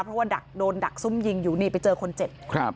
เพราะว่าดักโดนดักซุ่มยิงอยู่นี่ไปเจอคนเจ็บครับ